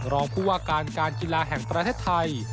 รองผู้ว่าการการกีฬาแห่งประเทศไทย